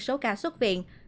số ca xuất viện